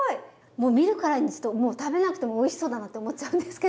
もう見るからに食べなくてもおいしそうだなって思っちゃうんですけど。